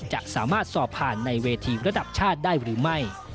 จะสามารถสอบผ่านในเวทีระดับชาติได้หรือไม่